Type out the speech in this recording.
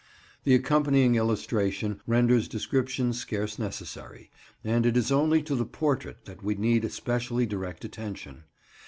The accompanying illustration renders description scarce necessary, and it is only to the portrait that we need especially direct attention.